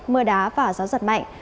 mưa đá và gió giật mạnh